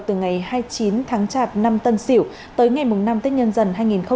từ ngày hai mươi chín tháng chạp năm tân sỉu tới ngày năm tết nhân dần hai nghìn hai mươi một